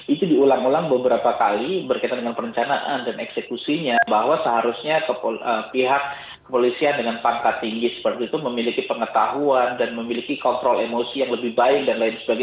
itu diulang ulang beberapa kali berkaitan dengan perencanaan dan eksekusinya bahwa seharusnya pihak kepolisian dengan pangkat tinggi seperti itu memiliki pengetahuan dan memiliki kontrol emosi yang lebih baik dan lain sebagainya